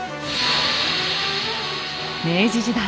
明治時代